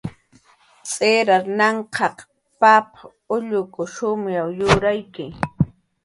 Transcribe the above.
Tz'irar nanq'an junch'i, papa, ulluku shumay yurayki